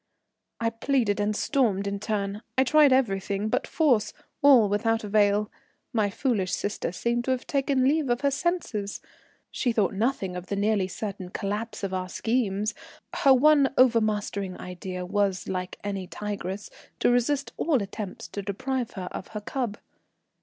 I pleaded and stormed in turn, I tried everything but force, all without avail. My foolish sister seemed to have taken leave of her senses; she thought nothing of the nearly certain collapse of our schemes, her one overmastering idea was, like any tigress, to resist all attempts to deprive her of her cub.